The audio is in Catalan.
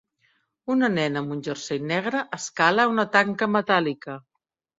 Una nena amb un jersei negre escala una tanca metàl·lica.